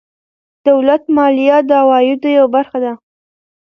دولت مالیه د عوایدو یوه برخه ده.